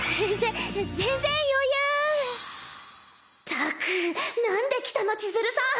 ったくなんで来たの千鶴さん！